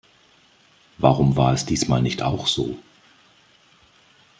Warum war es diesmal nicht auch so?